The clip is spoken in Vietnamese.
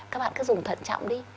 các bạn cứ dùng thận trọng đi